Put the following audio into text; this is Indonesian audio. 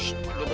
shhh malu dong